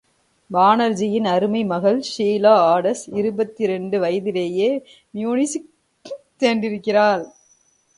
பானர்ஜியின் அருமை மகள் ஷீலா ஆடஸ் இருபத்திரண்டு வயதிலேயே மியூனிச் சென்றிருக்கிறாள்.